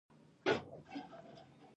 نوې جامې د خوښۍ احساس راولي